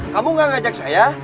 kamu ngajak saya